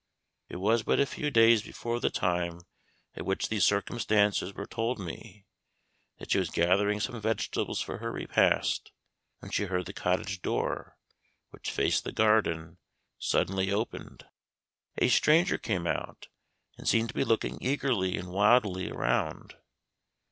It was but a few days before the time at which these circumstances were told me, that she was gathering some vegetables for her repast, when she heard the cottage door which faced the garden, suddenly opened. A stranger came out, and seemed to be looking eagerly and wildly around.